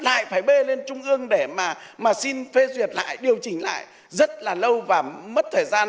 lại phải bê lên trung ương để mà xin phê duyệt lại điều chỉnh lại rất là lâu và mất thời gian